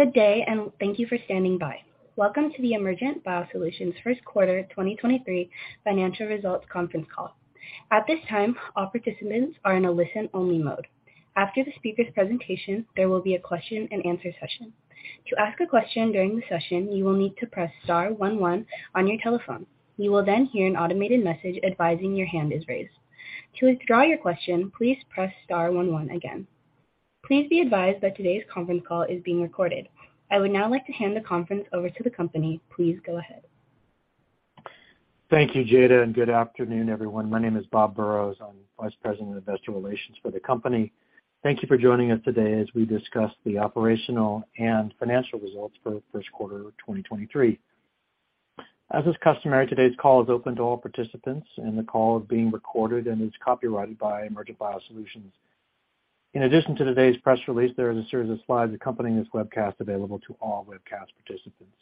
Good day. Thank you for standing by. Welcome to the Emergent BioSolutions first quarter 2023 financial results conference call. At this time, all participants are in a listen-only mode. After the speaker's presentation, there will be a question-and-answer session. To ask a question during the session, you will need to press star one one on your telephone. You will hear an automated message advising your hand is raised. To withdraw your question, please press star one one again. Please be advised that today's conference call is being recorded. I would now like to hand the conference over to the company. Please go ahead. Thank you, Jayda, and good afternoon, everyone. My name is Bob Burrows. I'm Vice President of Investor Relations for the company. Thank you for joining us today as we discuss the operational and financial results for first quarter 2023. As is customary, today's call is open to all participants, and the call is being recorded and is copyrighted by Emergent BioSolutions. In addition to today's press release, there is a series of slides accompanying this webcast available to all webcast participants.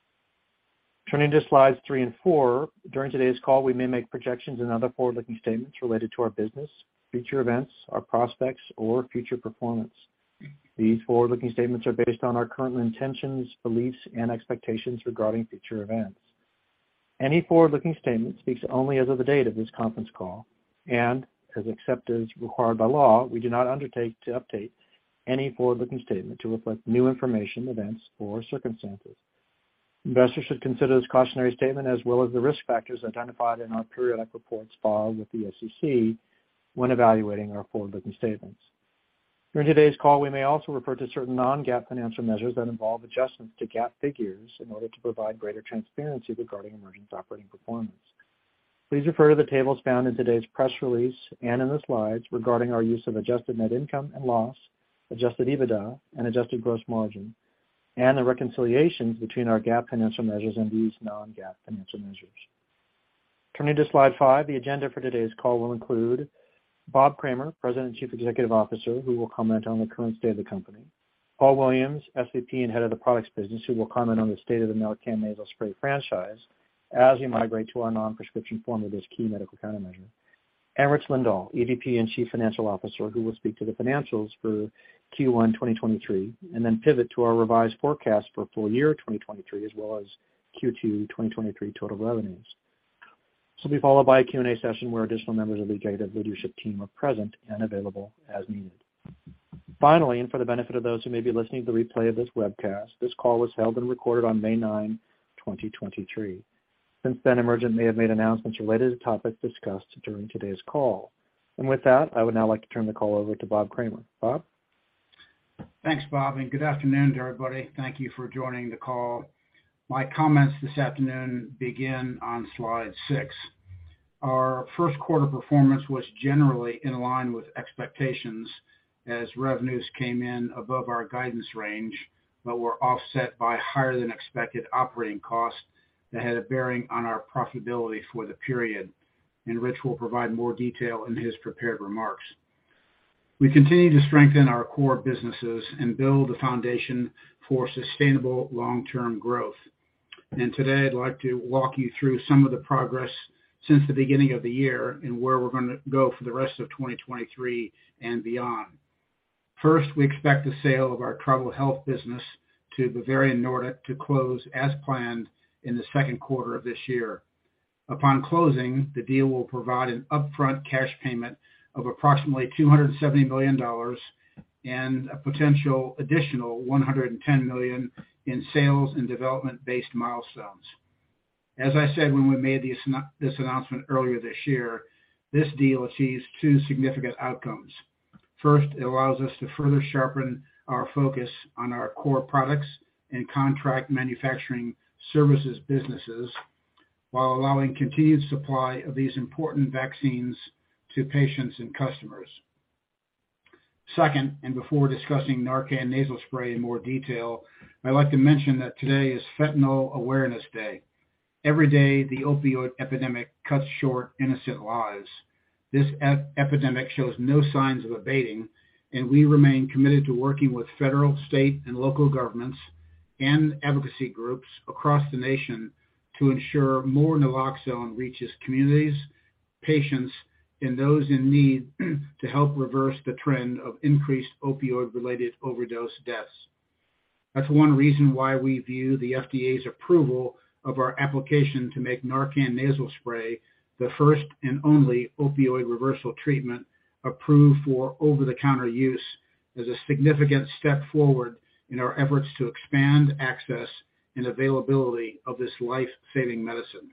Turning to slides 3 and 4. During today's call, we may make projections and other forward-looking statements related to our business, future events, our prospects, or future performance. These forward-looking statements are based on our current intentions, beliefs, and expectations regarding future events. Any forward-looking statement speaks only as of the date of this conference call except as required by law, we do not undertake to update any forward-looking statement to reflect new information, events, or circumstances. Investors should consider this cautionary statement as well as the risk factors identified in our periodic reports filed with the SEC when evaluating our forward-looking statements. During today's call, we may also refer to certain non-GAAP financial measures that involve adjustments to GAAP figures in order to provide greater transparency regarding Emergent's operating performance. Please refer to the tables found in today's press release and in the slides regarding our use of adjusted net income and loss, adjusted EBITDA, and adjusted gross margin, and the reconciliation between our GAAP financial measures and these non-GAAP financial measures. Turning to slide 5. The agenda for today's call will include Bob Kramer, President and Chief Executive Officer, who will comment on the current state of the company. Paul Williams, SVP and Head of the Products Business, who will comment on the state of the NARCAN Nasal Spray franchise as we migrate to our non-prescription form of this key medical countermeasure. Rich Lindahl, EVP and Chief Financial Officer, who will speak to the financials for Q1 2023 and then pivot to our revised forecast for full year 2023, as well as Q2 2023 total revenues. This will be followed by a Q&A session where additional members of the executive leadership team are present and available as needed. Finally, for the benefit of those who may be listening to the replay of this webcast, this call was held and recorded on May 9, 2023. Since then, Emergent may have made announcements related to topics discussed during today's call. With that, I would now like to turn the call over to Bob Kramer. Bob? Thanks, Bob. Good afternoon to everybody. Thank you for joining the call. My comments this afternoon begin on slide six. Our first quarter performance was generally in line with expectations as revenues came in above our guidance range, but were offset by higher than expected operating costs that had a bearing on our profitability for the period. Rich will provide more detail in his prepared remarks. We continue to strengthen our core businesses and build a foundation for sustainable long-term growth. Today, I'd like to walk you through some of the progress since the beginning of the year and where we're gonna go for the rest of 2023 and beyond. First, we expect the sale of our Travel Health business to Bavarian Nordic to close as planned in the second quarter of this year. Upon closing, the deal will provide an upfront cash payment of approximately $270 million and a potential additional $110 million in sales and development-based milestones. As I said when we made this announcement earlier this year, this deal achieves two significant outcomes. First, it allows us to further sharpen our focus on our core products and contract manufacturing services businesses while allowing continued supply of these important vaccines to patients and customers. Second, before discussing NARCAN Nasal Spray in more detail, I'd like to mention that today is Fentanyl Awareness Day. Every day, the opioid epidemic cuts short innocent lives. This epidemic shows no signs of abating. We remain committed to working with federal, state, and local governments and advocacy groups across the nation to ensure more naloxone reaches communities, patients, and those in need to help reverse the trend of increased opioid-related overdose deaths. That's one reason why we view the FDA's approval of our application to make NARCAN Nasal Spray the first and only opioid reversal treatment approved for over-the-counter use as a significant step forward in our efforts to expand access and availability of this life-saving medicine.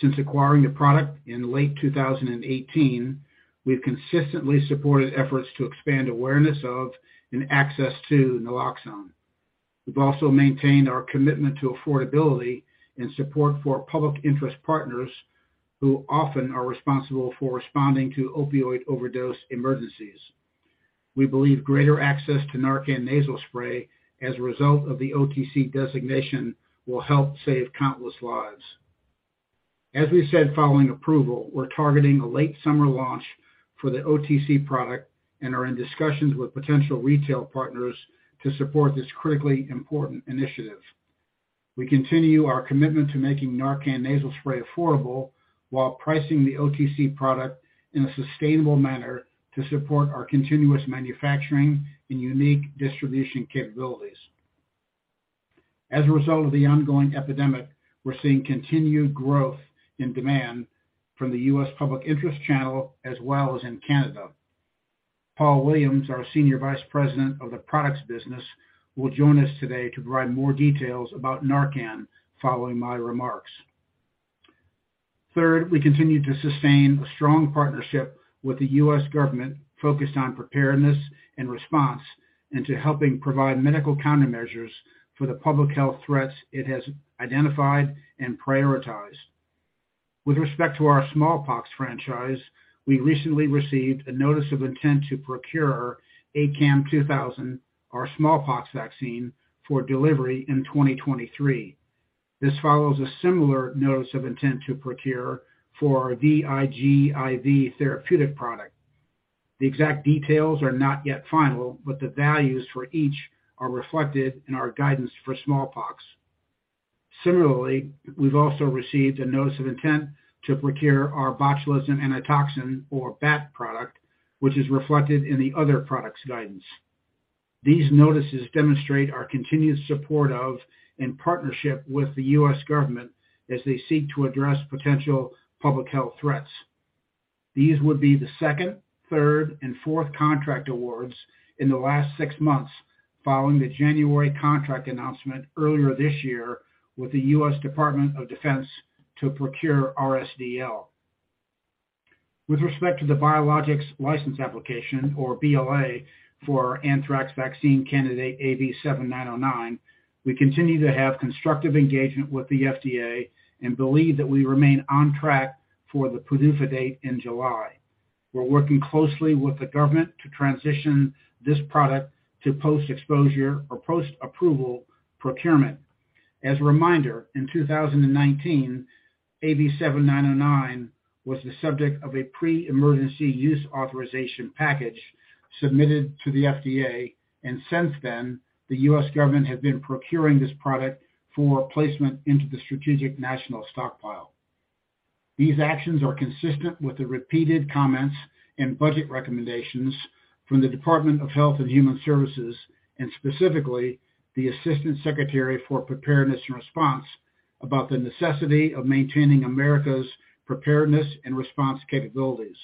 Since acquiring the product in late 2018, we've consistently supported efforts to expand awareness of and access to naloxone. We've also maintained our commitment to affordability and support for public interest partners who often are responsible for responding to opioid overdose emergencies. We believe greater access to NARCAN Nasal Spray as a result of the OTC designation will help save countless lives. As we said following approval, we're targeting a late summer launch for the OTC product and are in discussions with potential retail partners to support this critically important initiative. We continue our commitment to making NARCAN Nasal Spray affordable while pricing the OTC product in a sustainable manner to support our continuous manufacturing and unique distribution capabilities. As a result of the ongoing epidemic, we're seeing continued growth in demand from the U.S. public interest channel as well as in Canada. Paul Williams, our Senior Vice President of the Products Business, will join us today to provide more details about NARCAN following my remarks. Third, we continue to sustain a strong partnership with the U.S. government focused on preparedness and response, and to helping provide medical countermeasures for the public health threats it has identified and prioritized. With respect to our smallpox franchise, we recently received a notice of intent to procure ACAM2000, our smallpox vaccine, for delivery in 2023. This follows a similar notice of intent to procure for VIGIV therapeutic product. The exact details are not yet final, but the values for each are reflected in our guidance for smallpox. Similarly, we've also received a notice of intent to procure our botulinum antitoxin or BAT product, which is reflected in the other products guidance. These notices demonstrate our continued support of and partnership with the U.S. government as they seek to address potential public health threats. These would be the second, third, and fourth contract awards in the last six months following the January contract announcement earlier this year with the U.S. Department of Defense to procure RSDL. With respect to the Biologics License Application or BLA for anthrax vaccine candidate AV7909, we continue to have constructive engagement with the FDA and believe that we remain on track for the PDUFA date in July. We're working closely with the government to transition this product to post-exposure or post-approval procurement. As a reminder, in 2019, AV7909 was the subject of a pre-Emergency Use Authorization package submitted to the FDA. Since then, the U.S. government has been procuring this product for placement into the Strategic National Stockpile. These actions are consistent with the repeated comments and budget recommendations from the Department of Health and Human Services, and specifically the Assistant Secretary for Preparedness and Response, about the necessity of maintaining America's preparedness and response capabilities.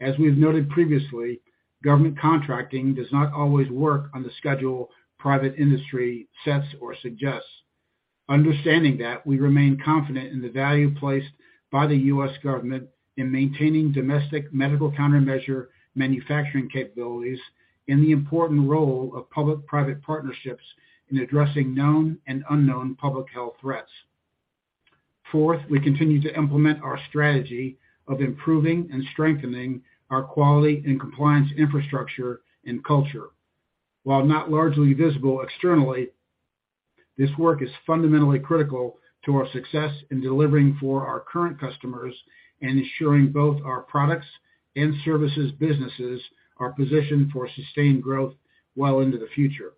As we've noted previously, government contracting does not always work on the schedule private industry sets or suggests. Understanding that, we remain confident in the value placed by the U.S. government in maintaining domestic medical countermeasure manufacturing capabilities and the important role of public-private partnerships in addressing known and unknown public health threats. Fourth, we continue to implement our strategy of improving and strengthening our quality and compliance infrastructure and culture. While not largely visible externally, this work is fundamentally critical to our success in delivering for our current customers and ensuring both our products and services businesses are positioned for sustained growth well into the future.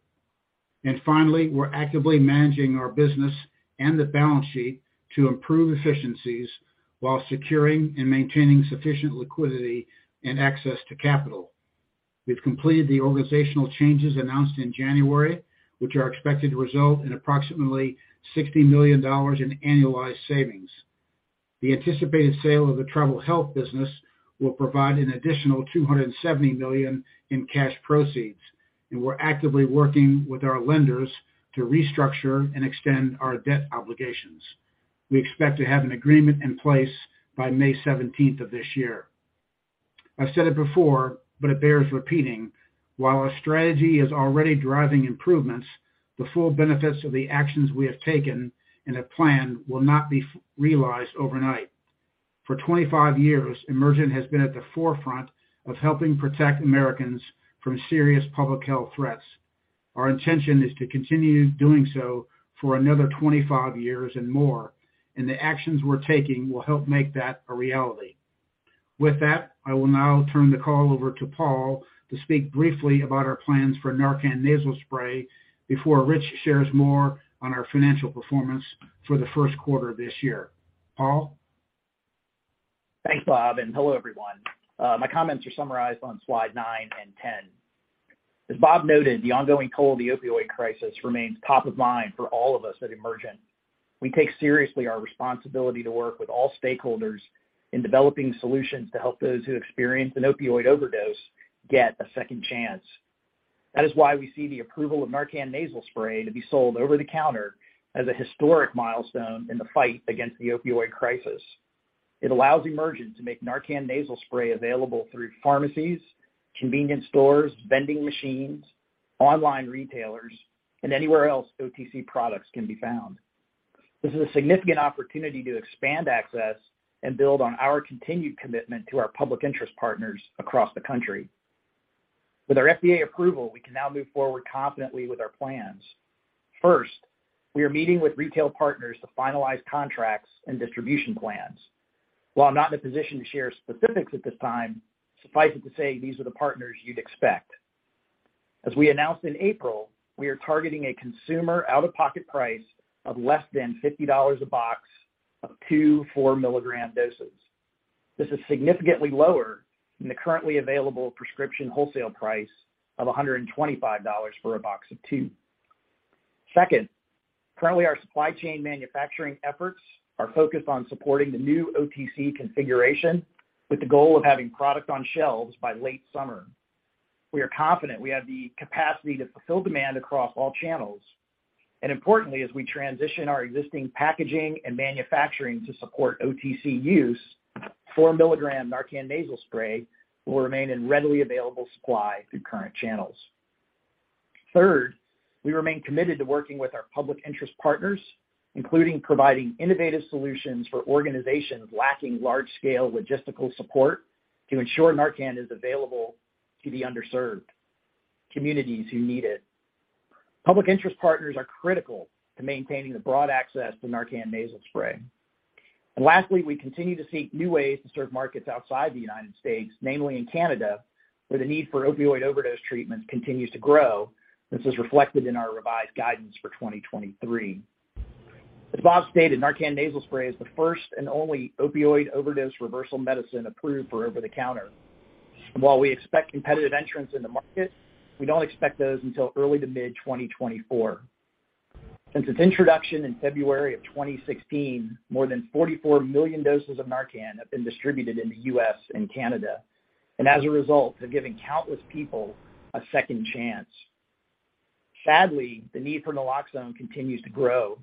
Finally, we're actively managing our business and the balance sheet to improve efficiencies while securing and maintaining sufficient liquidity and access to capital. We've completed the organizational changes announced in January, which are expected to result in approximately $60 million in annualized savings. The anticipated sale of the Travel Health business will provide an additional $270 million in cash proceeds, and we're actively working with our lenders to restructure and extend our debt obligations. We expect to have an agreement in place by May 17th of this year. I've said it before, but it bears repeating. While our strategy is already driving improvements, the full benefits of the actions we have taken in the plan will not be realized overnight. For 25 years, Emergent has been at the forefront of helping protect Americans from serious public health threats. Our intention is to continue doing so for another 25 years and more, and the actions we're taking will help make that a reality. With that, I will now turn the call over to Paul to speak briefly about our plans for NARCAN Nasal Spray before Rich shares more on our financial performance for the 1st quarter of this year. Paul? Thanks, Bob, and hello, everyone. My comments are summarized on slide nine and ten. As Bob noted, the ongoing COVID opioid crisis remains top of mind for all of us at Emergent. We take seriously our responsibility to work with all stakeholders in developing solutions to help those who experience an opioid overdose get a second chance. That is why we see the approval of NARCAN Nasal Spray to be sold over the counter as a historic milestone in the fight against the opioid crisis. It allows Emergent to make NARCAN Nasal Spray available through pharmacies, convenience stores, vending machines, online retailers, and anywhere else OTC products can be found. This is a significant opportunity to expand access and build on our continued commitment to our public interest partners across the country. With our FDA approval, we can now move forward confidently with our plans. First, we are meeting with retail partners to finalize contracts and distribution plans. While I'm not in a position to share specifics at this time, suffice it to say these are the partners you'd expect. As we announced in April, we are targeting a consumer out-of-pocket price of less than $50 a box of 2 4-milligram doses. This is significantly lower than the currently available prescription wholesale price of $125 for a box of 2. Second, currently, our supply chain manufacturing efforts are focused on supporting the new OTC configuration with the goal of having product on shelves by late summer. We are confident we have the capacity to fulfill demand across all channels. Importantly, as we transition our existing packaging and manufacturing to support OTC use, 4-milligram NARCAN Nasal Spray will remain in readily available supply through current channels. Third, we remain committed to working with our public interest partners, including providing innovative solutions for organizations lacking large-scale logistical support to ensure NARCAN is available to the underserved communities who need it. Public interest partners are critical to maintaining the broad access to NARCAN Nasal Spray. Lastly, we continue to seek new ways to serve markets outside the United States, mainly in Canada, where the need for opioid overdose treatment continues to grow. This is reflected in our revised guidance for 2023. As Bob stated, NARCAN Nasal Spray is the first and only opioid overdose reversal medicine approved for over the counter. While we expect competitive entrants in the market, we don't expect those until early to mid-2024. Since its introduction in February of 2016, more than 44 million doses of NARCAN have been distributed in the U.S. and Canada, and as a result have given countless people a second chance. Sadly, the need for naloxone continues to grow.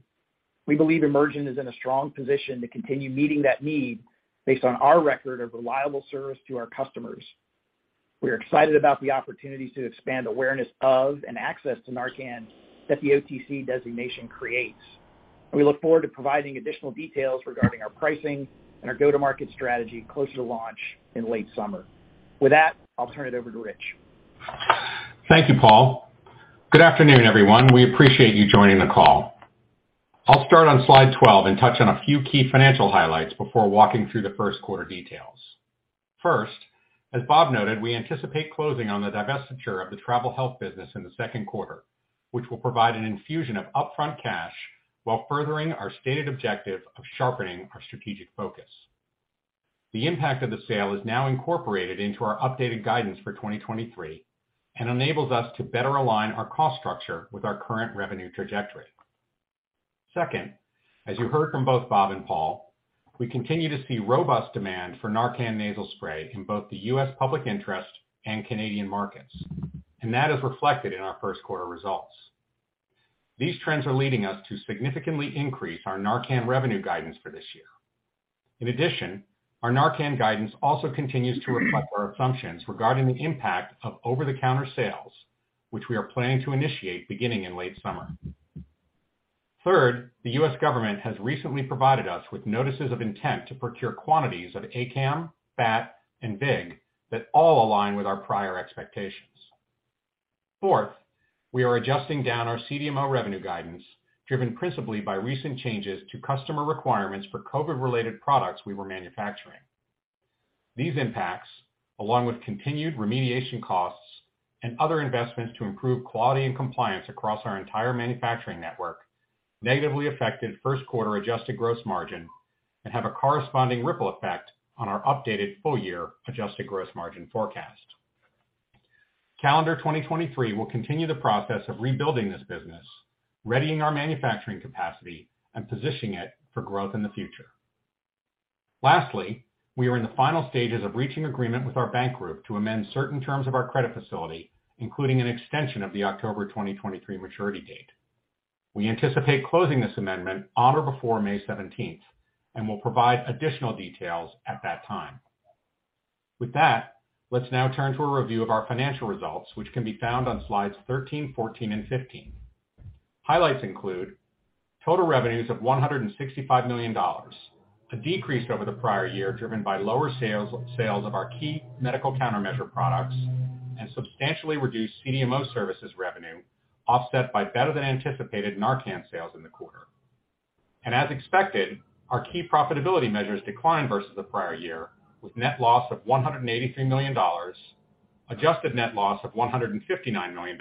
We believe Emergent is in a strong position to continue meeting that need based on our record of reliable service to our customers. We are excited about the opportunity to expand awareness of and access to NARCAN that the OTC designation creates. We look forward to providing additional details regarding our pricing and our go-to-market strategy closer to launch in late summer. With that, I'll turn it over to Rich. Thank you, Paul. Good afternoon, everyone. We appreciate you joining the call. I'll start on slide 12 and touch on a few key financial highlights before walking through the first quarter details. First, as Bob noted, we anticipate closing on the divestiture of the Travel Health business in the second quarter, which will provide an infusion of upfront cash while furthering our stated objective of sharpening our strategic focus. The impact of the sale is now incorporated into our updated guidance for 2023 and enables us to better align our cost structure with our current revenue trajectory. Second, as you heard from both Bob and Paul, we continue to see robust demand for NARCAN Nasal Spray in both the U.S. public interest and Canadian markets, and that is reflected in our first quarter results. These trends are leading us to significantly increase our NARCAN revenue guidance for this year. Our NARCAN guidance also continues to reflect our assumptions regarding the impact of over-the-counter sales, which we are planning to initiate beginning in late summer. Third, the U.S. government has recently provided us with notices of intent to procure quantities of ACAM, BAT, and VIG that all align with our prior expectations. Fourth, we are adjusting down our CDMO revenue guidance, driven principally by recent changes to customer requirements for COVID-related products we were manufacturing. These impacts, along with continued remediation costs and other investments to improve quality and compliance across our entire manufacturing network, negatively affected first quarter adjusted gross margin and have a corresponding ripple effect on our updated full-year adjusted gross margin forecast. Calendar 2023 will continue the process of rebuilding this business, readying our manufacturing capacity, and positioning it for growth in the future. Lastly, we are in the final stages of reaching agreement with our bank group to amend certain terms of our credit facility, including an extension of the October 2023 maturity date. We anticipate closing this amendment on or before May 17th. We'll provide additional details at that time. With that, let's now turn to a review of our financial results, which can be found on slides 13, 14, and 15. Highlights include total revenues of $165 million, a decrease over the prior year, driven by lower sales of our key medical countermeasure products and substantially reduced CDMO services revenue, offset by better than anticipated NARCAN sales in the quarter. As expected, our key profitability measures declined versus the prior year, with net loss of $183 million, adjusted net loss of $159 million,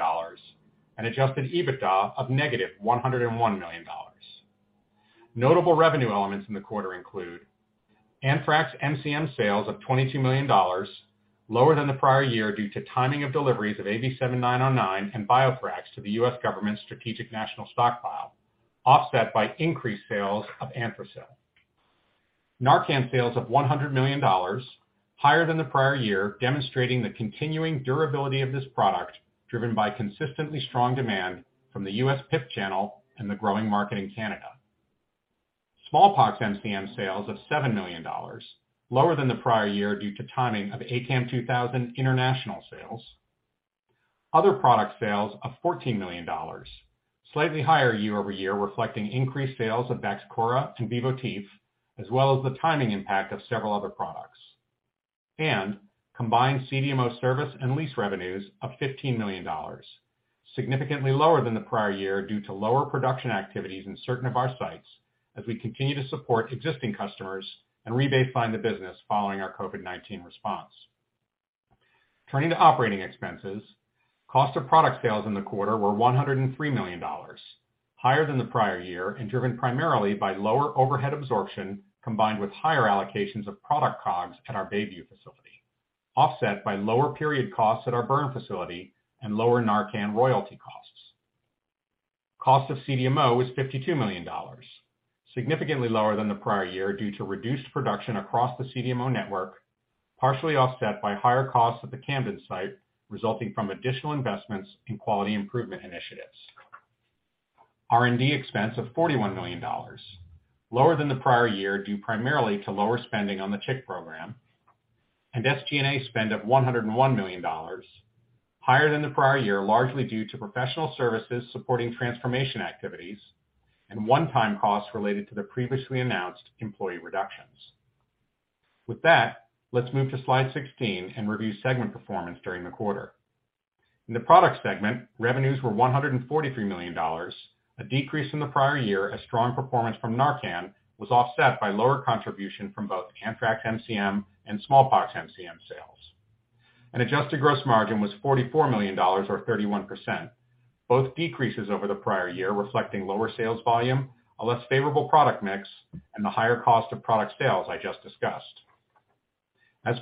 and adjusted EBITDA of negative $101 million. Notable revenue elements in the quarter include Anthrax MCM sales of $22 million, lower than the prior year due to timing of deliveries of AV7909 and BioThrax to the U.S. government's Strategic National Stockpile, offset by increased sales of Anthrasil. NARCAN sales of $100 million, higher than the prior year, demonstrating the continuing durability of this product, driven by consistently strong demand from the U.S. PIP channel and the growing market in Canada. Smallpox MCM sales of $7 million, lower than the prior year due to timing of ACAM2000 international sales. Other product sales of $14 million, slightly higher year-over-year, reflecting increased sales of Vaxchora and Vivotif, as well as the timing impact of several other products. Combined CDMO service and lease revenues of $15 million. Significantly lower than the prior year due to lower production activities in certain of our sites as we continue to support existing customers and rebaseline the business following our COVID-19 response. Turning to operating expenses, cost of product sales in the quarter were $103 million, higher than the prior year and driven primarily by lower overhead absorption combined with higher allocations of product COGS at our Bayview facility, offset by lower period costs at our burn facility and lower NARCAN royalty costs. Cost of CDMO is $52 million, significantly lower than the prior year due to reduced production across the CDMO network, partially offset by higher costs at the Camden site resulting from additional investments in quality improvement initiatives. R&D expense of $41 million, lower than the prior year due primarily to lower spending on the CHIK program, SG&A spend of $101 million, higher than the prior year, largely due to professional services supporting transformation activities and one-time costs related to the previously announced employee reductions. With that, let's move to slide 16 and review segment performance during the quarter. In the product segment, revenues were $143 million, a decrease from the prior year as strong performance from NARCAN was offset by lower contribution from both Anthrax MCM and Smallpox MCM sales. An adjusted gross margin was $44 million or 31%, both decreases over the prior year, reflecting lower sales volume, a less favorable product mix, and the higher cost of product sales I just discussed.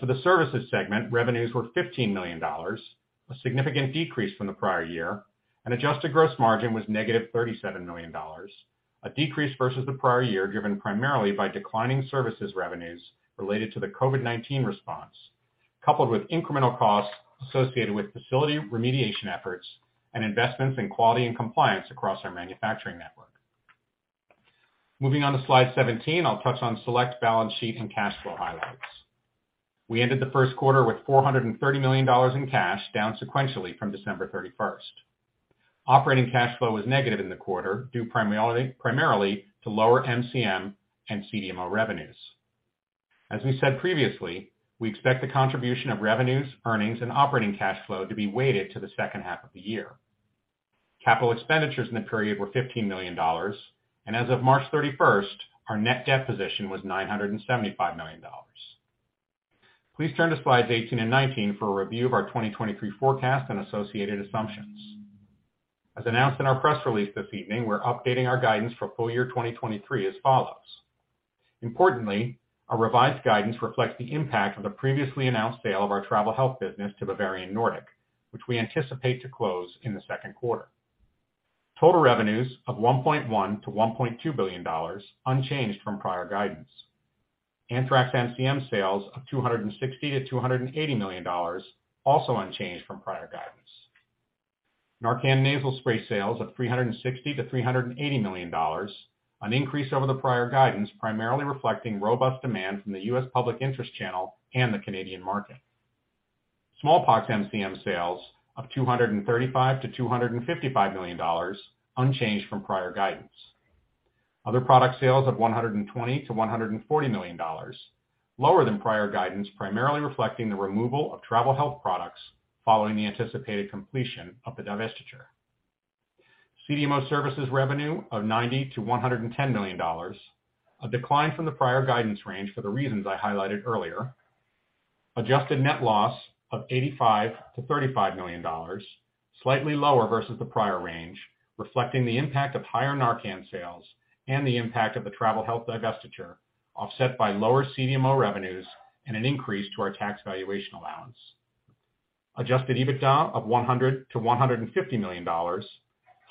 For the services segment, revenues were $15 million, a significant decrease from the prior year, and adjusted gross margin was negative $37 million, a decrease versus the prior year, driven primarily by declining services revenues related to the COVID-19 response, coupled with incremental costs associated with facility remediation efforts and investments in quality and compliance across our manufacturing network. Moving on to slide 17, I'll touch on select balance sheet and cash flow highlights. We ended the first quarter with $430 million in cash, down sequentially from December 31st. Operating cash flow was negative in the quarter, due primarily to lower MCM and CDMO revenues. As we said previously, we expect the contribution of revenues, earnings, and operating cash flow to be weighted to the second half of the year. Capital expenditures in the period were $15 million. As of March 31st, our net debt position was $975 million. Please turn to slides 18 and 19 for a review of our 2023 forecast and associated assumptions. As announced in our press release this evening, we're updating our guidance for full year 2023 as follows. Importantly, our revised guidance reflects the impact of the previously announced sale of our Travel Health business to Bavarian Nordic, which we anticipate to close in the second quarter. Total revenues of $1.1 billion-$1.2 billion, unchanged from prior guidance. Anthrax MCM sales of $260 million-$280 million, also unchanged from prior guidance. NARCAN Nasal Spray sales of $360 million-$380 million, an increase over the prior guidance, primarily reflecting robust demand from the U.S. public interest channel and the Canadian market. Smallpox MCM sales of $235 million-$255 million, unchanged from prior guidance. Other product sales of $120 million-$140 million, lower than prior guidance, primarily reflecting the removal of Travel Health products following the anticipated completion of the divestiture. CDMO services revenue of $90 million-$110 million, a decline from the prior guidance range for the reasons I highlighted earlier. Adjusted net loss of $85 million-$35 million, slightly lower versus the prior range, reflecting the impact of higher NARCAN sales and the impact of the Travel Health divestiture, offset by lower CDMO revenues and an increase to our tax valuation allowance. Adjusted EBITDA of $100 million-$150 million,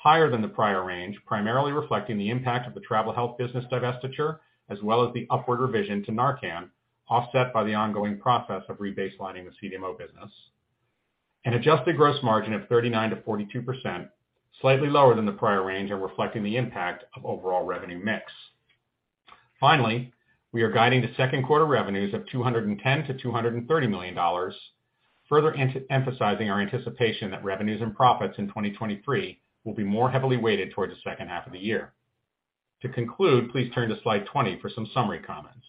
higher than the prior range, primarily reflecting the impact of the Travel Health business divestiture as well as the upward revision to NARCAN, offset by the ongoing process of rebaselining the CDMO business. An adjusted gross margin of 39%-42%, slightly lower than the prior range and reflecting the impact of overall revenue mix. We are guiding to second quarter revenues of $210 million-$230 million, further emphasizing our anticipation that revenues and profits in 2023 will be more heavily weighted towards the second half of the year. To conclude, please turn to slide 20 for some summary comments.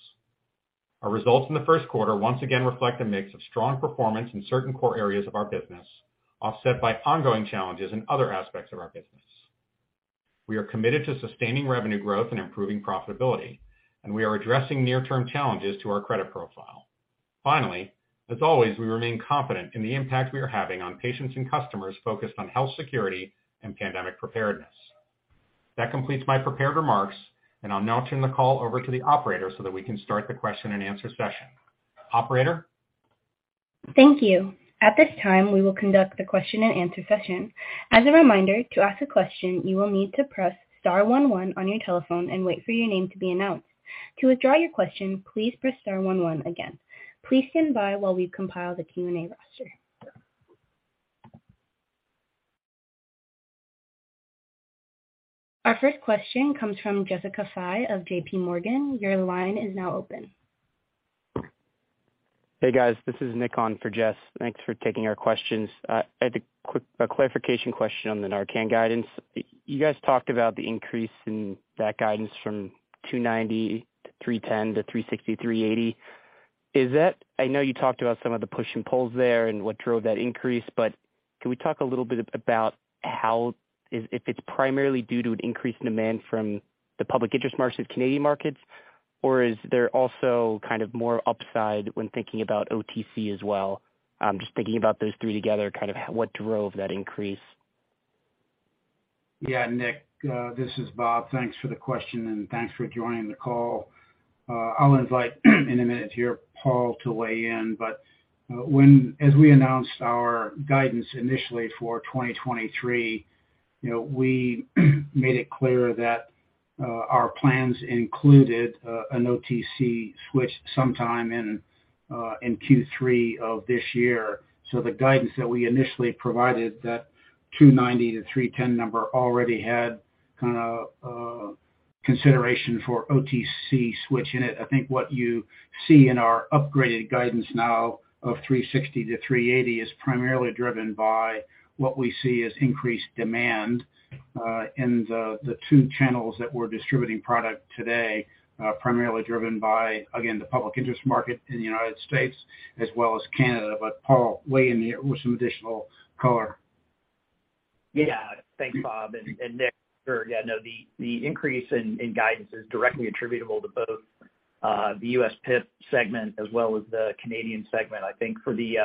Our results in the first quarter once again reflect a mix of strong performance in certain core areas of our business, offset by ongoing challenges in other aspects of our business. We are committed to sustaining revenue growth and improving profitability, and we are addressing near-term challenges to our credit profile. As always, we remain confident in the impact we are having on patients and customers focused on health security and pandemic preparedness. That completes my prepared remarks, and I'll now turn the call over to the operator so that we can start the question and answer session. Operator? Thank you. At this time, we will conduct the question and answer session. As a reminder, to ask a question, you will need to press star one one on your telephone and wait for your name to be announced. To withdraw your question, please press star one one again. Please stand by while we compile the Q&A roster. Our first question comes from Jessica Fye of J.P. Morgan. Your line is now open. Hey, guys. This is Nick on for Jess. Thanks for taking our questions. I had a quick clarification question on the NARCAN guidance. You guys talked about the increase in that guidance from $290 million to $310 million to $360 million-$380 million. I know you talked about some of the push and pulls there and what drove that increase, but can we talk a little bit about how if it's primarily due to an increased demand from the public interest markets, Canadian markets, or is there also kind of more upside when thinking about OTC as well? I'm just thinking about those three together, kind of what drove that increase. Nick, this is Bob. Thanks for the question, thanks for joining the call. I'll invite in a minute here, Paul, to weigh in. As we announced our guidance initially for 2023 we made it clear that our plans included an OTC switch sometime in Q3 of this year. The guidance that we initially provided, that $290 million-$310 million number already had kinda consideration for OTC switch in it. I think what you see in our upgraded guidance now of $360 million-$380 million is primarily driven by what we see as increased demand in the two channels that we're distributing product today. Primarily driven by, again, the public interest market in the U.S. as well as Canada. Paul, weigh in here with some additional color. Yeah. Thanks, Bob and Nick. Sure, yeah, no, the increase in guidance is directly attributable to both the U.S. PIP segment as well as the Canadian segment. I think for the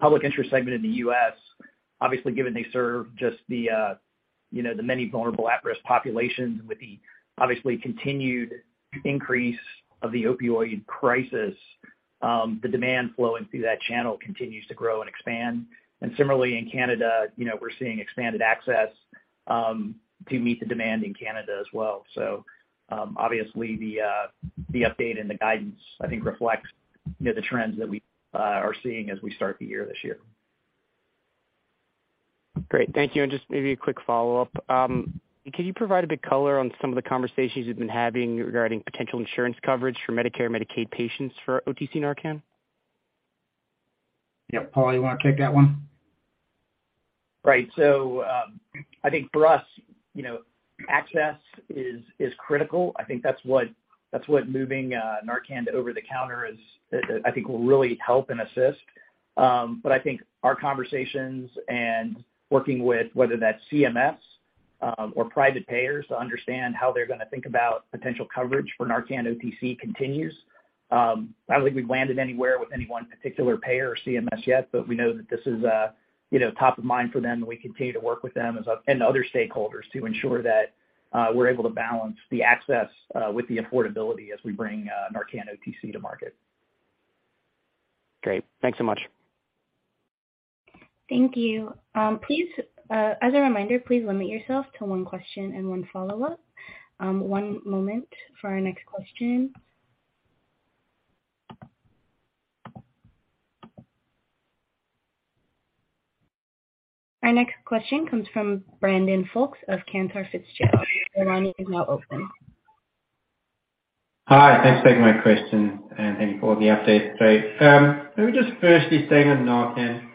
public interest segment in the U.S., obviously, given they serve just the the many vulnerable at-risk populations with the obviously continued increase of the opioid crisis, the demand flowing through that channel continues to grow and expand. Similarly, in canada we're seeing expanded access to meet the demand in Canada as well. Obviously the update and the guidance I think reflects the trends that we are seeing as we start the year this year. Great. Thank you. just maybe a quick follow-up. could you provide a bit color on some of the conversations you've been having regarding potential insurance coverage for Medicare/Medicaid patients for OTC NARCAN? Yeah. Paul, you wanna take that one? I think for us access is critical. I think that's what moving NARCAN to over the counter is, I think will really help and assist. I think our conversations and working with whether that's CMS or private payers to understand how they're gonna think about potential coverage for NARCAN OTC continues. I don't think we've landed anywhere with any one particular payer or CMS yet, but we know that this is top of mind for them, and we continue to work with them and other stakeholders to ensure that we're able to balance the access with the affordability as we bring NARCAN OTC to market. Great. Thanks so much. Thank you. Please, as a reminder, please limit yourself to one question and one follow-up. One moment for our next question. Our next question comes from Brandon Folkes of Cantor Fitzgerald. Your line is now open. Hi. Thanks for taking my question, and thank you for all the updates. Let me just firstly stay on NARCAN.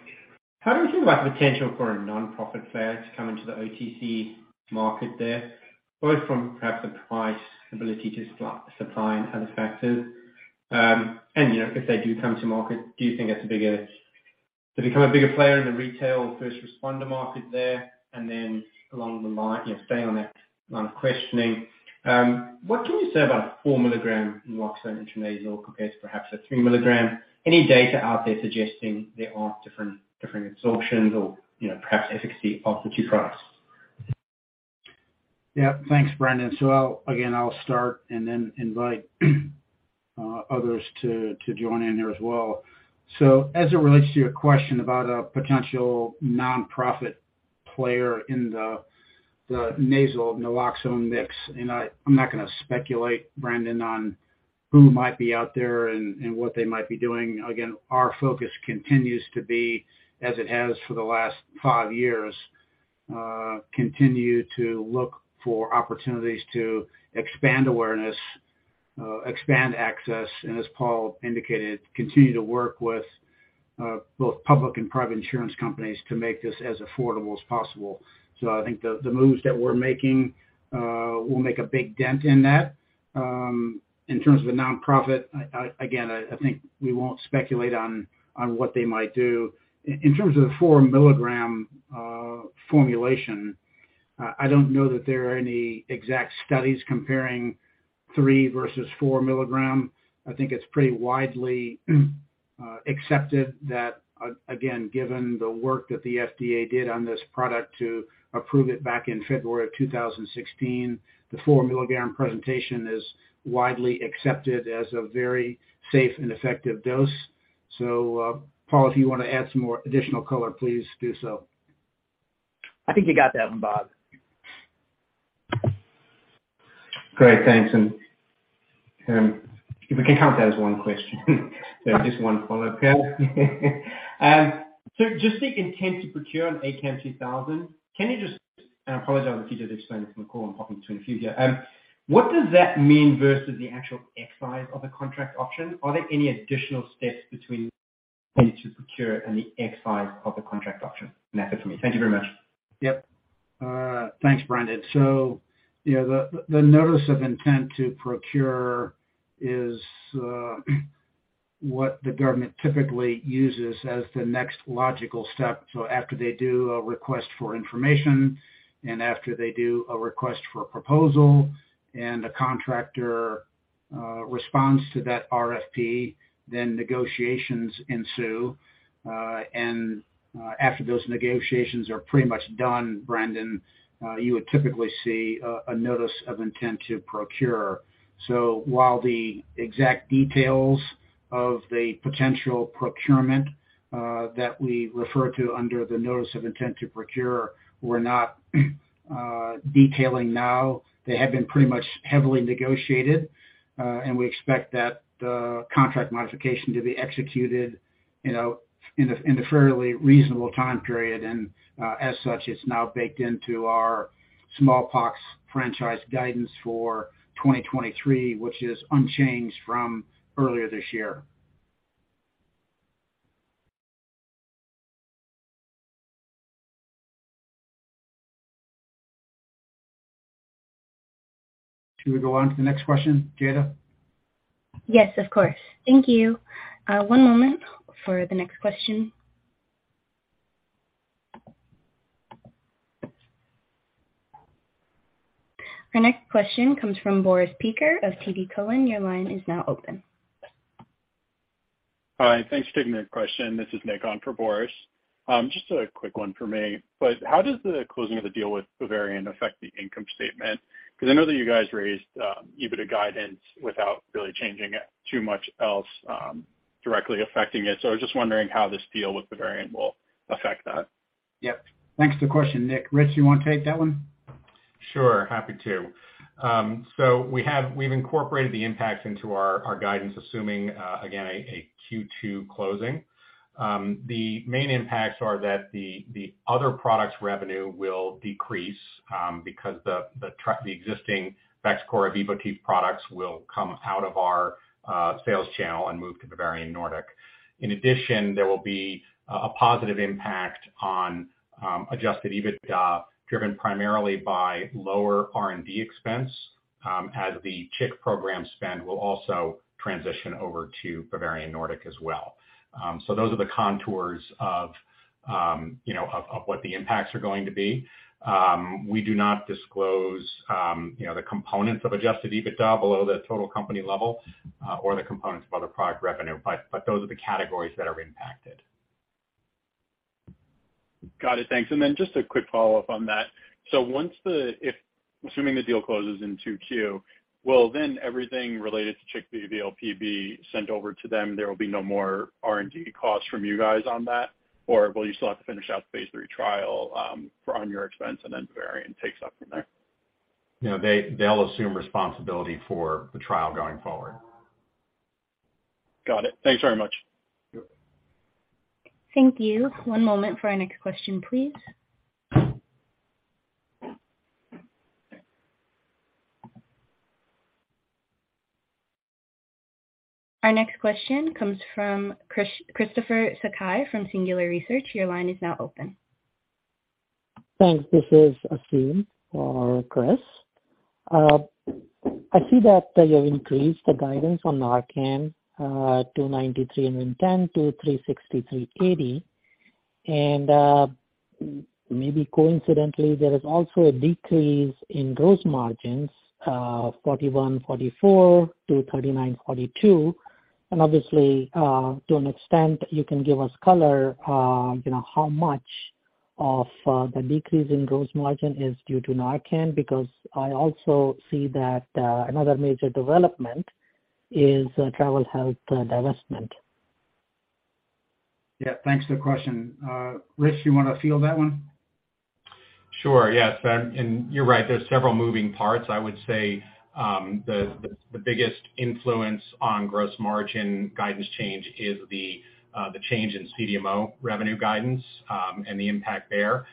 How do you feel about the potential for a nonprofit player to come into the OTC market there, both from perhaps the price ability to supply and other factors?, if they do come to market, do you think they become a bigger player in the retail first responder market there? Along the line staying on that line of questioning, what can you say about 4 milligram naloxone intranasal compared to perhaps a 3 milligram? Any data out there suggesting there are different absorptions or perhaps efficacy of the two products? Yeah. Thanks, Brandon. I'll start and then invite others to join in there as well. As it relates to your question about a potential nonprofit player in the nasal naloxone mix, and I'm not gonna speculate, Brandon, on who might be out there and what they might be doing. Again, our focus continues to be, as it has for the last five years, continue to look for opportunities to expand awareness, expand access, and as Paul indicated, continue to work with both public and private insurance companies to make this as affordable as possible. I think the moves that we're making, will make a big dent in that. In terms of a nonprofit, again, I think we won't speculate on what they might do. In terms of the 4 milligram formulation, I don't know that there are any exact studies comparing 3 versus 4 milligram. I think it's pretty widely accepted that again, given the work that the FDA did on this product to approve it back in February of 2016, the 4 milligram presentation is widely accepted as a very safe and effective dose. Paul, if you wanna add some more additional color, please do so. I think you got that one, Bob. Great. Thanks. If we can count that as one question. Just one follow-up. Just the intent to procure on ACAM2000, can you just. I apologize, I won't keep you to explain this on the call. I'm hopping between a few here. What does that mean versus the actual X size of the contract option? Are there any additional steps between. Need to procure on the X side of the contract option. for me. Thank you very much. Yep. Thanks, Brandon. Yeah, the notice of intent to procure is what the government typically uses as the next logical step. After they do a request for information and after they do a request for a proposal and a contractor responds to that RFP, then negotiations ensue. After those negotiations are pretty much done, Brandon, you would typically see a notice of intent to procure. While the exact details of the potential procurement that we refer to under the notice of intent to procure were not detailing now, they have been pretty much heavily negotiated. And we expect that the contract modification to be executed in a fairly reasonable time period. As such, it's now baked into our smallpox franchise guidance for 2023, which is unchanged from earlier this year. Should we go on to the next question, Jayda? Yes, of course. Thank you. one moment for the next question. Our next question comes from Boris Peaker of TD Cowen. Your line is now open. Hi. Thanks for taking my question. This is Nick on for Boris. Just a quick one for me, how does the closing of the deal with Bavarian affect the income statement? I know that you guys raised EBITDA guidance without really changing it too much else directly affecting it. I was just wondering how this deal with Bavarian will affect that. Yep. Thanks for the question, Nick. Rich, you wanna take that one? Sure. Happy to. We've incorporated the impact into our guidance, assuming again, a Q2 closing. The main impacts are that the other products revenue will decrease, because the existing Vaxchora Vivotif products will come out of our sales channel and move to Bavarian Nordic. In addition, there will be a positive impact on adjusted EBITDA, driven primarily by lower R&D expense, as the CHIK program spend will also transition over to Bavarian Nordic as well. Those are the contours of what the impacts are going to be. We do not disclose the components of adjusted EBITDA below the total company level, or the components of other product revenue, but those are the categories that are impacted. Got it. Thanks. Just a quick follow-up on that. If assuming the deal closes in 2Q, will then everything related to CHIK VLP be sent over to them, there will be no more R&D costs from you guys on that? Or will you still have to finish out phase 3 trial for on your expense, and then Bavarian takes up from there? No, they'll assume responsibility for the trial going forward. Got it. Thanks very much. Yep. Thank you. One moment for our next question, please. Our next question comes from Christopher Sakai from Singular Research. Your line is now open. Thanks. This is Akeem for Chris. I see that you have increased the guidance on NARCAN to $93 and $10 to $363-$380. Maybe coincidentally, there is also a decrease in gross margins, 41%-44% to 39%-42%. Obviously, to an extent you can give us color how much of the decrease in gross margin is due to NARCAN, because I also see that another major development is Travel Health divestment. Yeah. Thanks for the question. Rich, you wanna field that one? Sure. Yes. you're right, there's several moving parts. I would say, the biggest influence on gross margin guidance change is the change in CDMO revenue guidance, and the impact there.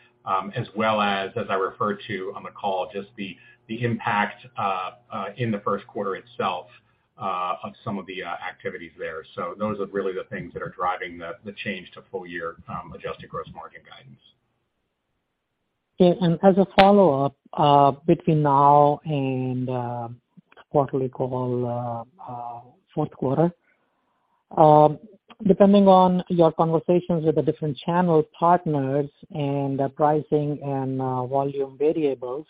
As well as I referred to on the call, just the impact in the first quarter itself of some of the activities there. Those are really the things that are driving the change to full year adjusted gross margin guidance. Yeah. As a follow-up, between now and quarterly call, fourth quarter, depending on your conversations with the different channel partners and the pricing and volume variables,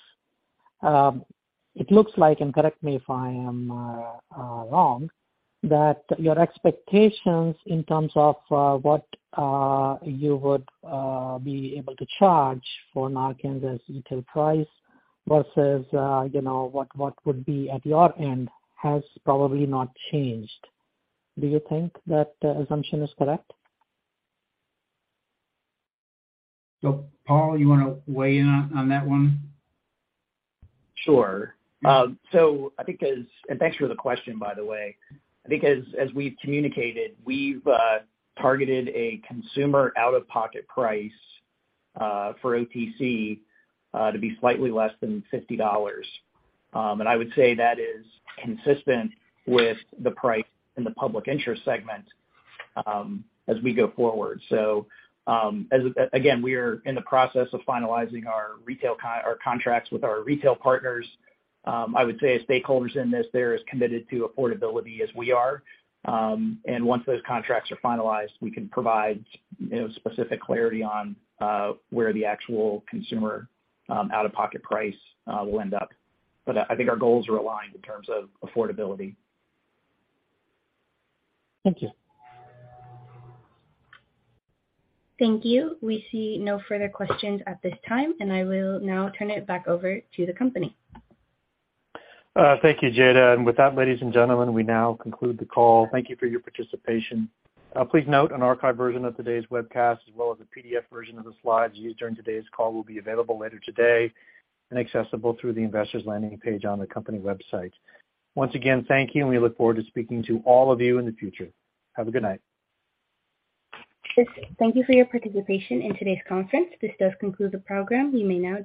it looks like, and correct me if I am wrong, that your expectations in terms of what you would be able to charge for NARCAN as retail price versus what would be at your end has probably not changed. Do you think that assumption is correct? Paul, you wanna weigh in on that one? Sure. I think as. And thanks for the question, by the way. I think as we've communicated, we've targeted a consumer out-of-pocket price for OTC to be slightly less than $50. I would say that is consistent with the price in the public interest segment as we go forward. Again, we are in the process of finalizing our retail contracts with our retail partners. I would say stakeholders in this, they're as committed to affordability as we are. Once those contracts are finalized, we can provide specific clarity on where the actual consumer out-of-pocket price will end up. I think our goals are aligned in terms of affordability. Thank you. Thank you. We see no further questions at this time, and I will now turn it back over to the company. Thank you, Jayda. With that, ladies and gentlemen, we now conclude the call. Thank you for your participation. Please note an archived version of today's webcast, as well as a PDF version of the slides used during today's call, will be available later today and accessible through the investor's landing page on the company website. Thank you, and we look forward to speaking to all of you in the future. Have a good night. Thank you for your participation in today's conference. This does conclude the program. You may now disconnect.